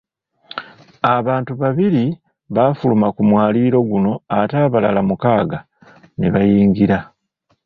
Abantu babiri baafuluma ku mwaliiro guno ate abalala mukaaga ne bayingira.